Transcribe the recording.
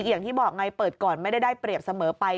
อย่างที่บอกไงเปิดก่อนไม่ได้ได้เปรียบเสมอไป